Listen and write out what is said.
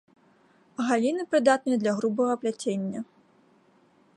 Галіны прыдатныя для грубага пляцення.